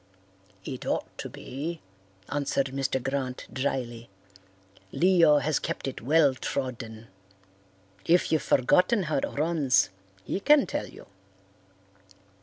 "It ought to be," answered Mr. Grant drily; "Leo has kept it well trodden. If you've forgotten how it runs he can tell you."